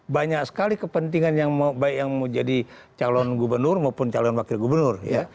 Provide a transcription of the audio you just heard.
banyak sekali kepentingan yang baik yang mau jadi calon gubernur maupun calon wakil gubernur